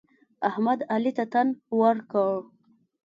احمد؛ علي ته تن ورکړ.